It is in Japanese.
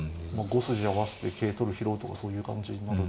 ５筋合わせて桂取る拾うとかそういう感じになる。